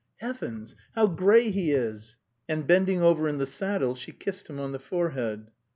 Heavens! How grey he is!" And bending over in the saddle she kissed him on the forehead.